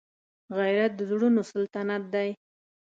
غیرت د زړونو سلطنت دی